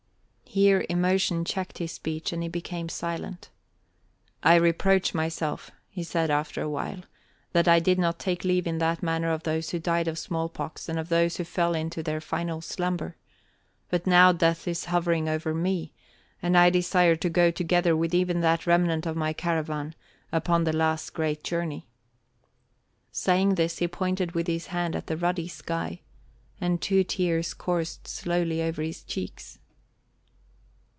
'" Here emotion checked his speech and he became silent. "I reproach myself," he said after a while, "that I did not take leave in that manner of those who died of small pox and of those who fell into their final slumber. But now death is hovering over me, and I desire to go together with even that remnant of my caravan upon the last great journey." Saying this he pointed with his hand at the ruddy sky, and two tears coursed slowly over his cheeks.